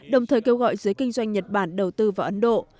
đồng thời kêu gọi giới kinh doanh nhật bản đầu tư vào ấn độ